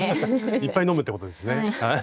いっぱい飲むってことですね。